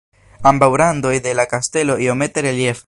Ambaŭ randoj de la kastelo iomete reliefas.